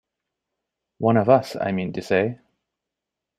One of us, I mean to say.